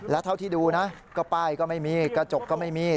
แล้วเท่าที่ดูนะก็ป้ายก็ไม่มีกระจกก็ไม่มี